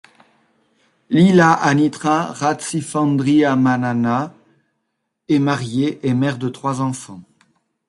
Lila Hanitra Ratsifandrihamanana est mariée et mère de trois enfants.